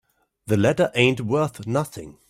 The letter ain't worth nothing.